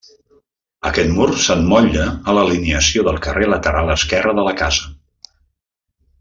Aquest mur s'emmotlla a l'alineació del carrer lateral esquerra de la casa.